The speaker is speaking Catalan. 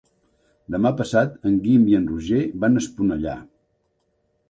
Demà passat en Guim i en Roger van a Esponellà.